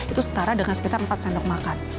itu setara dengan sekitar empat sendok makan